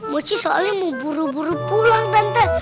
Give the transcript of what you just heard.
mochi soalnya mau buru buru pulang tante